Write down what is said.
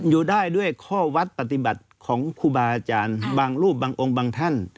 อยู่ได้ด้วยข้อวัดปฏิบัติของครูบาอาจารย์บางรูปบางองค์บางท่าน